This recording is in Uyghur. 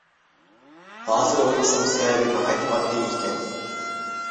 ھازىر ئويلىسام سەۋەبى ناھايىتى ئاددىي ئىكەن.